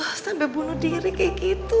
aduh sampe bunuh diri kaya gitu